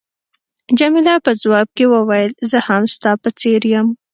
جميله په ځواب کې وویل، زه هم ستا په څېر یم.